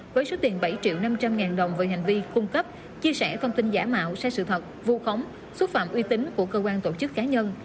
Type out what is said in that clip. với số tiền bảy triệu năm trăm linh ngàn đồng về hành vi cung cấp chia sẻ thông tin giả mạo sai sự thật vu khống xúc phạm uy tín của cơ quan tổ chức cá nhân